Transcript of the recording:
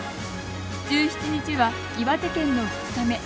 １７日は、岩手県の２日目。